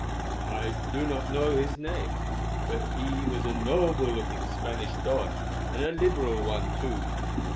"I do not know his name, but he was a noble looking Spanish Don, and a liberal one too.